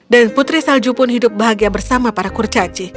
dan putri salju pun hidup bahagia bersama para kurcaci